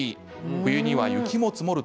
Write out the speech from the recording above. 冬には雪も積もる